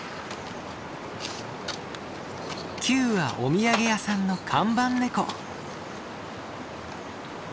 キュウはお土産屋さんの看板ネコ。